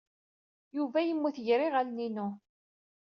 Yuba yemmut gar yiɣallen-inu.